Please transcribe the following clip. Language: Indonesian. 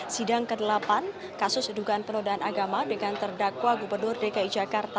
sidang ke delapan kasus dugaan penodaan agama dengan terdakwa gubernur dki jakarta